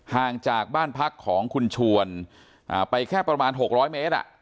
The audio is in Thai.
ห่างจากบ้านพักของคุณชวนไปแค่ประมาณ๖๐๐เมตร